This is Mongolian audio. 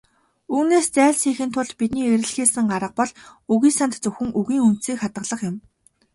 Үүнээс зайлсхийхийн тулд бидний эрэлхийлсэн арга бол үгийн санд зөвхөн "үгийн үндсийг хадгалах" юм.